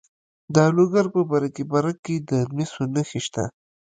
د لوګر په برکي برک کې د مسو نښې شته.